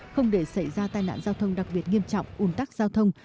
không để xảy ra tai nạn giao thông đặc biệt nghiêm trọng un tắc giao thông